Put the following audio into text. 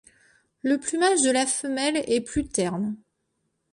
Le plumage de la femelle est plus terne.